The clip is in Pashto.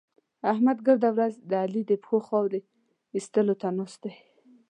احمد ګرده ورځ د علي د پښو خاورې اېستو ته ناست دی.